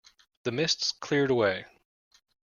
The mists cleared away.